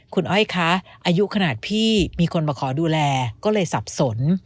คุณอ้อยคะอายุขนาดพี่มีคนมาขอดูแลก็เลยสับสน